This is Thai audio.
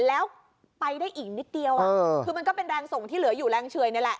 แล้วไปได้อีกนิดเดียวคือมันก็เป็นแรงส่งที่เหลืออยู่แรงเฉื่อยนี่แหละ